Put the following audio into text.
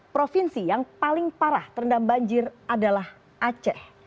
provinsi yang paling parah terendam banjir adalah aceh